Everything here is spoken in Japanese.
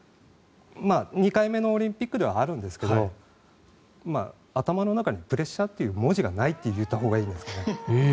２回目のオリンピックではあるんですけど頭の中にプレッシャーっていう文字がないって言ったほうがいいんですかね。